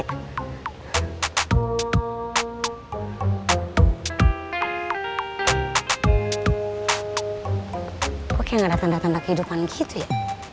kau kayak gak ada tanda tanda kehidupan gitu ya